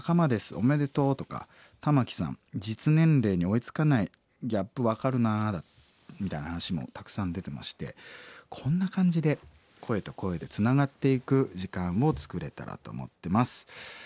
おめでとう」とかタマキさん「実年齢に追いつかないギャップ分かるな」みたいな話もたくさん出てましてこんな感じで声と声でつながっていく時間を作れたらと思ってます。